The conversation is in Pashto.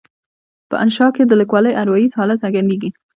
په انشأ کې د لیکوال اروایي حالت څرګندیږي.